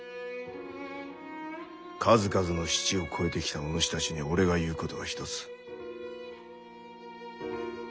数々の死地を越えてきたお主たちに俺が言うことは一つ。